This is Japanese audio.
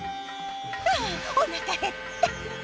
あおなかへった。